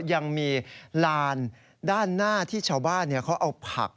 ยังมีลานด้านหน้าที่ชาวบ้านเขาเอาผัก